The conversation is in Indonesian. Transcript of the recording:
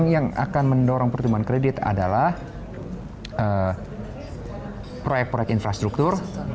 yang akan mendorong pertumbuhan kredit adalah proyek proyek infrastruktur